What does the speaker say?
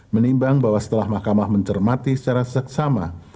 menimbang bahwa setelah mahkamah mencermati secara seksama